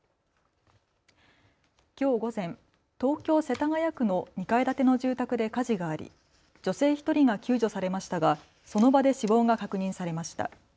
きょう午前、東京世田谷区の２階建ての住宅で火事があり女性１人が救助されましたがその場で死亡が確認されました。